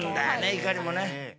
いかにもね。